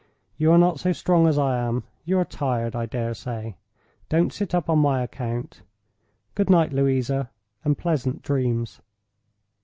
You are not so strong as I am; you are tired, I dare say. Don't sit up on my account. Good night, Louisa, and pleasant dreams!"